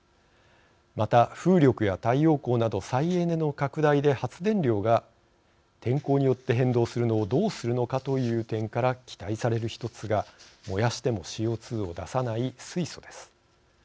また風力や太陽光など再エネの拡大で発電量が天候によって変動するのをどうするのかという点から期待されるひとつが、燃やしてもＣＯ２を出さない水素です。